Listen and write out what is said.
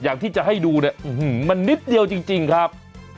อย่างที่จะให้ดูเนี้ยอื้อหือมันนิดเดียวจริงจริงครับ